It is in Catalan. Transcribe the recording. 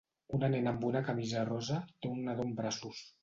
Una nena amb una camisa rosa té un nadó en braços